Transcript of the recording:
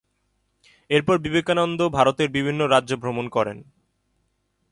এরপর বিবেকানন্দ ভারতের বিভিন্ন রাজ্য ভ্রমণ করেন।